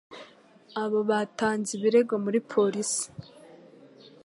abo batanze ibirego muri polisi.